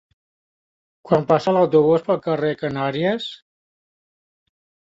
Quan passa l'autobús pel carrer Canàries?